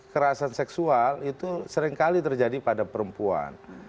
kerasan seksual itu seringkali terjadi pada perempuan